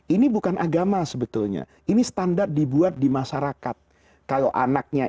ini bukan agama sebetulnya ini standar dibuat di masyarakat kalau anaknya